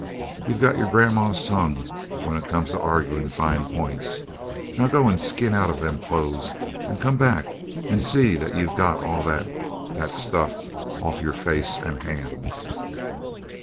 "You got your grandma's tongue when it comes to arguin' fine points. Now go and skin out of them clothes and come back and see that you've got all that that stuff of'n your face and hands."